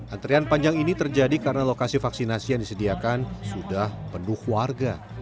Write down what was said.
antrian panjang ini terjadi karena lokasi vaksinasi yang disediakan sudah penuh warga